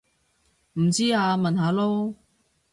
唔知啊問下囉